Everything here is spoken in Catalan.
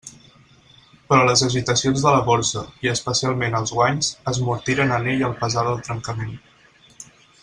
Però les agitacions de la Borsa, i especialment els guanys, esmortiren en ell el pesar del trencament.